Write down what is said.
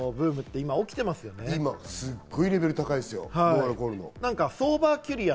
今、すごいレベル高いですよ。